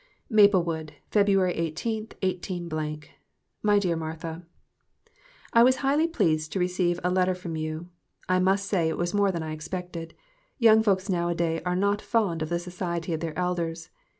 MAPLEWOOD, Feb. 18, 18 . MY DEAR MARTHA: I was highly pleased to receive a letter from you. I must say it was more than I expected. Young folks nowadays are not fond of the society of their elders.